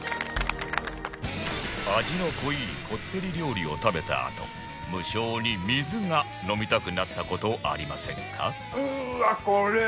味の濃いこってり料理を食べたあと無性に水が飲みたくなった事ありませんか？